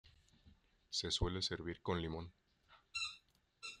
Se suelen servir con limón.